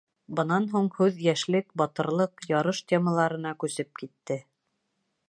Бынан һуң һүҙ йәшлек, батырлыҡ, ярыш темаларына күсеп китте.